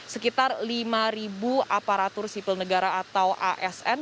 sekitar lima aparatur sipil negara atau asn